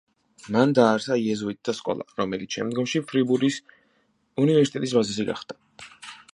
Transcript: მან დააარსა იეზუიტთა სკოლა, რომელიც შემდგომში ფრიბურის უნივერსიტეტის ბაზისი გახდა.